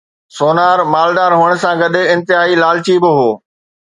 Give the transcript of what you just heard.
sonar مالدار هئڻ سان گڏ انتهائي لالچي به هو